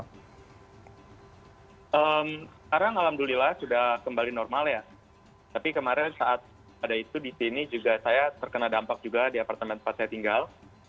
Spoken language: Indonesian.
sekarang alhamdulillah sudah kembali normal ya tapi kemarin saat ada itu di sini juga saya terkena dampak juga di apartemen tempat saya tinggal